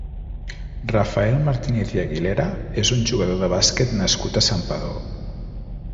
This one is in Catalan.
Rafael Martínez i Aguilera és un jugador de bàsquet nascut a Santpedor.